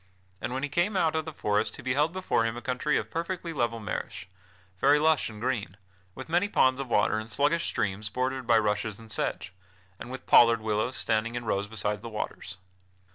And when he came out of the forest he beheld before him a country of perfectly level marish, very lush and green, with many ponds of water and sluggish streams bordered by rushes and sedge, and with pollard willows standing in rows beside the waters.